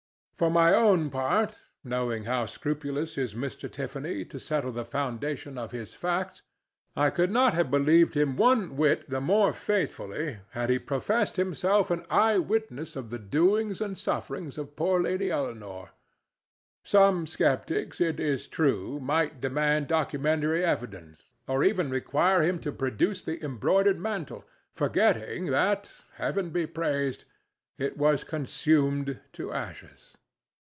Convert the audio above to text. For my own part, knowing how scrupulous is Mr. Tiffany to settle the foundation of his facts, I could not have believed him one whit the more faithfully had he professed himself an eyewitness of the doings and sufferings of poor Lady Eleanore. Some sceptics, it is true, might demand documentary evidence, or even require him to produce the embroidered mantle, forgetting that—Heaven be praised!—it was consumed to ashes.